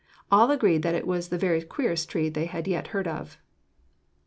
All agreed that it was the very queerest tree they had yet heard of.